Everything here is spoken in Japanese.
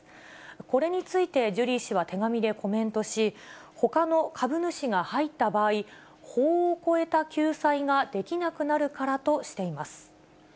これについて、ジュリー氏は手紙でコメントし、ほかの株主が入った場合、法を超えた救済ができなくなるからとしています。